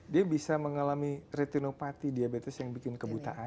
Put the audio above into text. dia bisa mengalami retinopati diabetes yang bikin kebutaan